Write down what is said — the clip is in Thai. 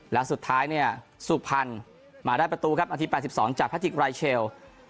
แล้วสุดท้ายเนี่ยสุภัณฑ์มาได้ประตูครับอาทิตย์แปดสิบสองจากพระธิกรายเชล